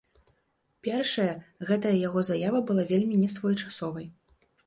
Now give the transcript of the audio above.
Першае, гэтая яго заява была вельмі несвоечасовай.